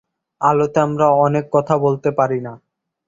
আলোতে আমরা অনেক কথা বলতে পারি না।